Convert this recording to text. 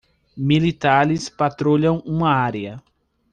Militares patrulham uma área